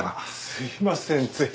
すいませんつい。